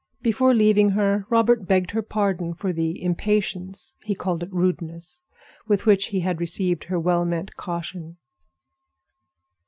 Before leaving her, Robert begged her pardon for the impatience—he called it rudeness—with which he had received her well meant caution.